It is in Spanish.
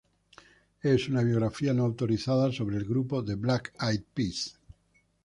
Es una biografía no autorizada sobre el grupo The Black Eyed Peas.